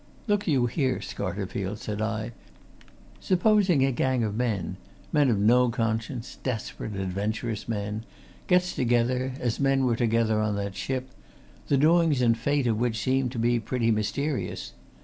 "Look you here, Scarterfield," said I. "Supposing a gang of men men of no conscience, desperate, adventurous men gets together, as men were together on that ship, the doings and fate of which seem to be pretty mysterious.